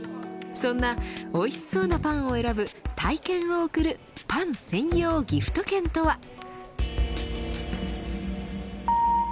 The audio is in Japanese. そんなおいしそうなパンを選ぶ体験を贈るパン専用ギフト券とは。